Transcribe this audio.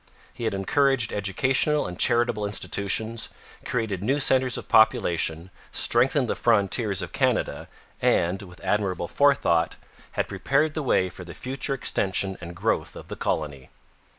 He had encouraged educational and charitable institutions, created new centres of population, strengthened the frontiers of Canada, and, with admirable forethought, had prepared the way for the future extension and growth of the colony.